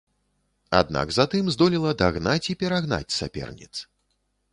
Аднак затым здолела дагнаць і перагнаць саперніц.